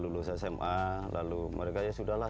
lulus sma lalu mereka ya sudah lah